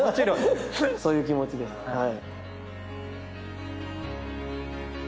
そういう気持ちではい。